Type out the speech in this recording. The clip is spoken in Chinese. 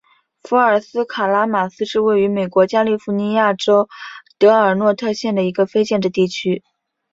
福尔斯卡拉马斯是位于美国加利福尼亚州德尔诺特县的一个非建制地区。